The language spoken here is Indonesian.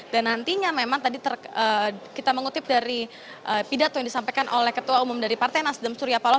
dan nantinya memang tadi kita mengutip dari pidato yang disampaikan oleh ketua umum dari partai nasdem suryapaloh